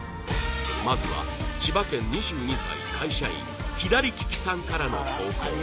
まずは千葉県２２歳会社員ひだりききさんからの投稿